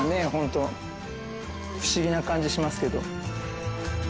不思議な感じしますけど。